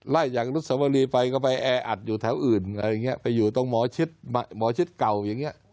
อย่างอนุสวรีไปก็ไปแออัดอยู่แถวอื่นอะไรอย่างนี้ไปอยู่ตรงหมอชิดหมอชิดเก่าอย่างเงี้ย